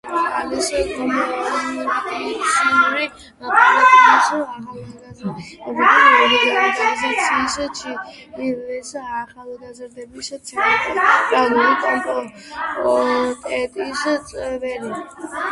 არის ჩილეს კომუნისტური პარტიის ახალგაზრდული ორგანიზაციის ჩილეს ახალგაზრდობის ცენტრალური კომიტეტის წევრი.